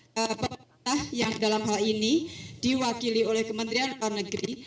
pemerintah yang dalam hal ini diwakili oleh kementerian luar negeri